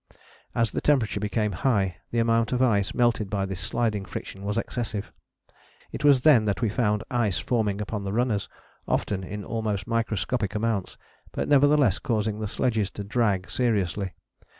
As the temperature became high the amount of ice melted by this sliding friction was excessive. It was then that we found ice forming upon the runners, often in almost microscopic amounts, but nevertheless causing the sledges to drag seriously.